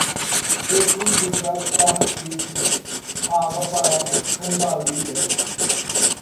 O plugue usado está aceso, a água parada cambaleia.